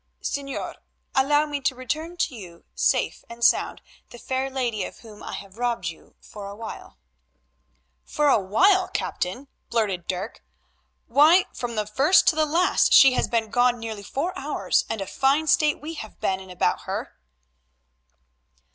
"Señor, allow me to return to you, safe and sound, the fair lady of whom I have robbed you for a while." "For a while, captain," blurted Dirk; "why, from first to last, she has been gone nearly four hours, and a fine state we have been in about her."